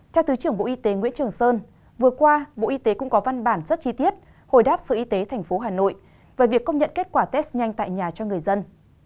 theo thứ trưởng bộ y tế nguyễn trường sơn vừa qua bộ y tế cũng có văn bản rất chi tiết hồi đáp sở y tế tp hà nội về việc công nhận kết quả test nhanh tại nhà cho người dân